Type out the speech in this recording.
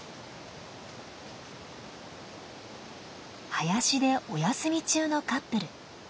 林でお休み中のカップル。